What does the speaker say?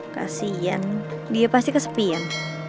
kasian dia pasti kesepian